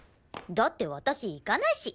だって私行かないし。